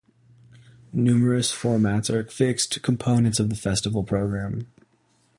Numerous formats are fixed components of the festival program.